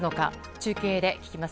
中継で聞きます。